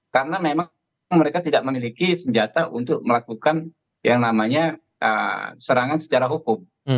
karena memang mereka tidak memiliki senjata untuk melakukan yang namanya serangan secara hukum